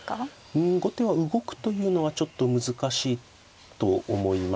うん後手は動くというのはちょっと難しいと思いますね。